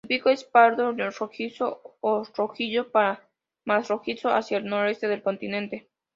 El pico es pardo rojizo a rojizo, más rojizo hacia el noreste del continente.